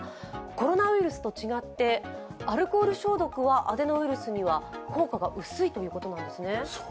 コロナウイルスと違ってアルコール消毒はアデノウイルスには効果が薄いということなんですね。